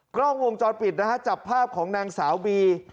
กล้องวงจรปิดนะฮะจับภาพของนางสาวบี